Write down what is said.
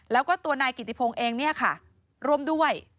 แล้วก็ตัวนายกิติพงศ์เองเนี่ยค่ะร่วมด้วย